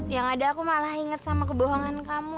yang ada aku malah inget sama kebohongan kamu